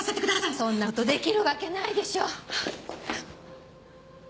そんなことできるわけないでしょ！